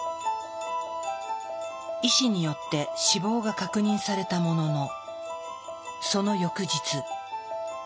医師によって死亡が確認されたもののその翌日。